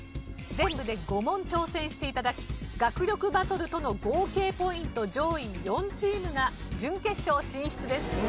全部で５問挑戦して頂き学力バトルとの合計ポイント上位４チームが準決勝進出です。